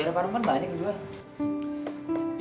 ya ada paru paru kan banyak jual